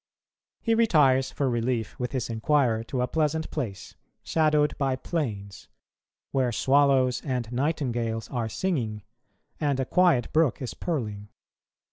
He retires for relief with his inquirer to a pleasant place, shadowed by planes, where swallows and nightingales are singing, and a quiet brook is purling.